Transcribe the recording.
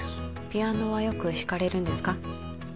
ピアノはよく弾かれるんですか？